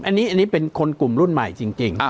อันนี้เป็นคนกลุ่มรุ่นใหม่จริง